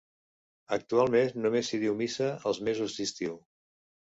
Actualment només s'hi diu missa els mesos d'estiu.